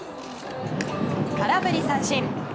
空振り三振。